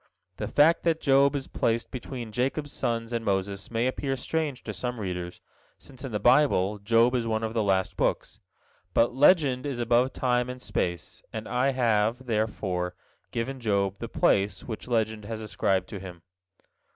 The fact that Job is placed between Jacob's sons and Moses may appear strange to some readers, since in the Bible Job is one of the last books; but "legend is above time and space," and I have, therefore, given Job the place which legend has ascribed to him.